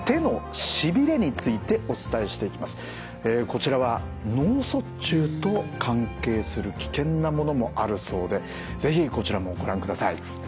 こちらは脳卒中と関係する危険なものもあるそうで是非こちらもご覧ください。